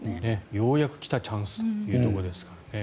ようやく来たチャンスというところですからね。